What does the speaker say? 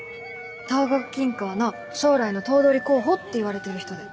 東国銀行の将来の頭取候補っていわれてる人で。